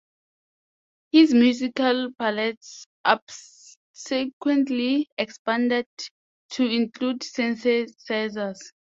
His musical palette subsequently expanded to include synthesizers.